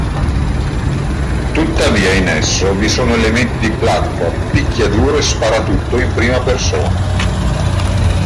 Tuttavia in esso vi sono elementi di platform, picchiaduro e Sparatutto in prima persona.